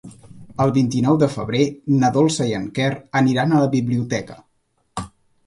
El vint-i-nou de febrer na Dolça i en Quer aniran a la biblioteca.